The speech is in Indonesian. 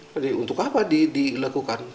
jadi untuk apa dilakukan